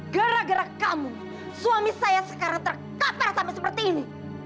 gara gara kamu suami saya sekarang terkapar tapi seperti ini